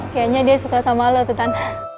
kayaknya dia suka sama lo tuh tan